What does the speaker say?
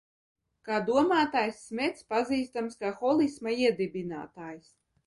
Kā domātājs Smetss pazīstams kā holisma iedibinātājs.